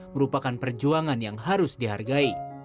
merupakan perjuangan yang harus dihargai